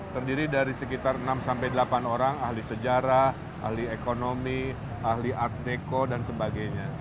terdiri dari sekitar enam delapan orang ahli sejarah ahli ekonomi ahli art deko dan sebagainya